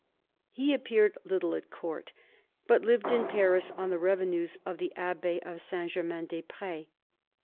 He appeared little at Court, but lived in Paris on the revenues of the Abbey of Saint Germain des Pres.